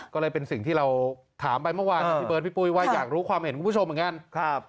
ก็เลยเป็นสิ่งที่เราถามไปเมื่อวานนะพี่เบิร์ดพี่ปุ้ยว่าอยากรู้ความเห็นคุณผู้ชมเหมือนกัน